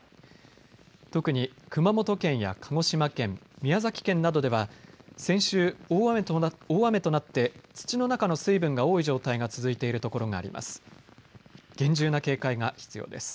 特に熊本県や鹿児島県、宮崎県などでは先週、大雨となって土の中の水分が多い状態が続いているところがあります。